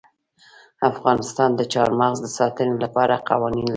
افغانستان د چار مغز د ساتنې لپاره قوانین لري.